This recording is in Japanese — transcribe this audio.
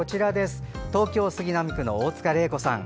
東京・杉並区の大塚玲子さん。